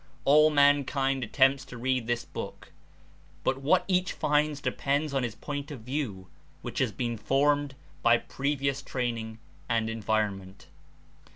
All mankind attempts to read this book, but what each finds depends on his point of view which has been formed by previous training and environment.